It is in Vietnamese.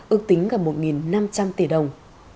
ước tính cả một năm trăm linh tỷ đồng